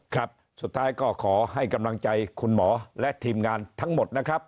ครับสุดท้ายก็ขอให้กำลังใจคุณหมอและทีมงานทั้งหมดนะครับ